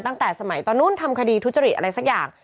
ตั้งแต่สมัยตอนนู้นทำคดีทุจริตอะไรสักอย่าง